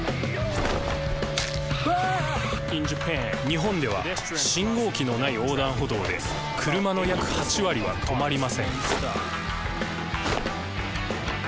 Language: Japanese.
日本では信号機のない横断歩道で車の約８割は止まりません。